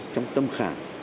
trong tâm khảm